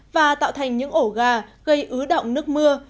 và tạo thành những ổ gà gây ứ động nước mưa